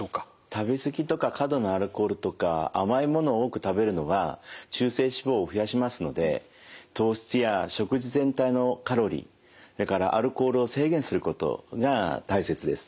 食べ過ぎとか過度のアルコールとか甘いものを多く食べるのは中性脂肪を増やしますので糖質や食事全体のカロリーそれからアルコールを制限することが大切です。